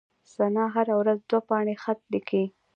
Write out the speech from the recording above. ثنا هره ورځ دوې پاڼي خط ليکي.